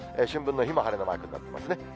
春分の日も晴れのマークになってますね。